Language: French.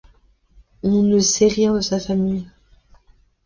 On ne sait rien de sa famille.